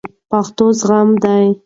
پښتو زغم دی